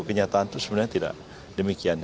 kenyataan itu sebenarnya tidak demikian